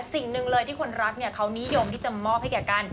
สิ่งหนึ่งเลยที่คนรักเนี่ยเขานิยมที่จะมอบให้แก่กัน